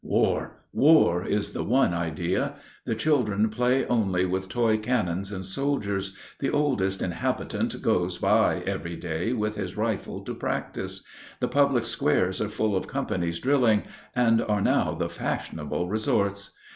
War, war! is the one idea. The children play only with toy cannons and soldiers; the oldest inhabitant goes by every day with his rifle to practice; the public squares are full of companies drilling, and are now the fashionable resorts.